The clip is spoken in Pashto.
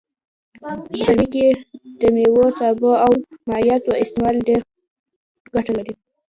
په ګرمي کي دميوو سابو او مايعاتو استعمال ډيره ګټه لرئ